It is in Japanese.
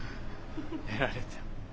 やられた。